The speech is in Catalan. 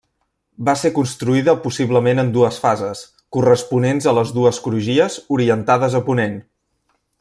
Va ser construïda possiblement en dues fases corresponents a les dues crugies orientades a ponent.